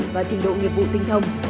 và trình độ nghiệp vụ tinh thông